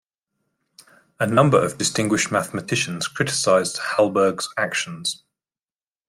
A number of distinguished mathematicians criticised Hallberg's actions.